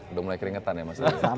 udah mulai keringetan ya mas ya